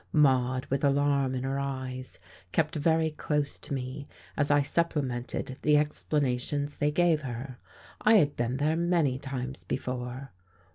Maude, with alarm in her eyes, kept very close to me, as I supplemented the explanations they gave her. I had been there many times before.